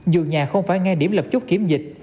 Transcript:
dù nhà không phải nghe điểm lập chốt kiểm dịch